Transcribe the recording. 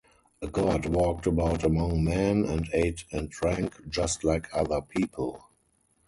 A god walked about among men and ate and drank just like other people.